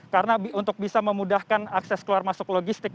karena untuk bisa memudahkan akses keluar masuk logistik